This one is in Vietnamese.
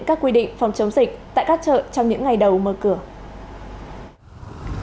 các quy định phòng chống dịch tại các chợ trong những ngày đầu mở cửa